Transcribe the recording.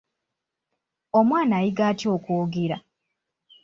Omwana ayiga atya okwogera?